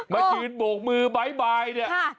มาชืนบวกมือบ้ายเนี่ย